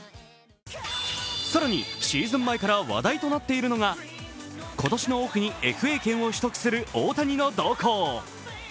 更にシーズン前から話題となっているのが今年のオフにＦＡ権を取得する大谷の動向。